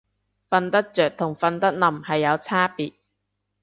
瞓得着同瞓得稔係有差別